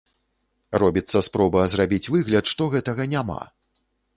Робіцца спроба зрабіць выгляд, што гэтага няма.